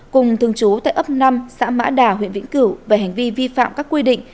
cùng thường trú tại ấp năm xã mã đà huyện vĩnh cửu về hành vi vi phạm các quy định